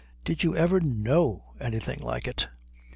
"Did you ever know anything like it?"